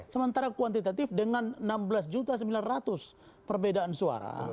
sementara kuantitatif dengan enam belas sembilan ratus perbedaan suara